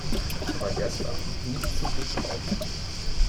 Er war gestern nicht so gut drauf.